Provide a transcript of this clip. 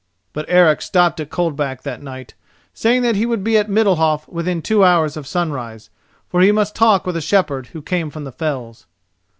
But Eric stopped at Coldback that night, saying that he would be at Middalhof within two hours of sunrise, for he must talk with a shepherd who came from the fells.